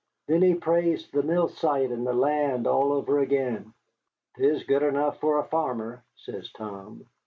Then he praised the mill site and the land all over again. ''Tis good enough for a farmer,' says Tom.